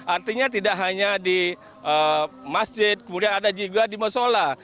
artinya tidak hanya di masjid kemudian ada juga di musola